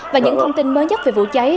và những thông tin mới nhất về vụ cháy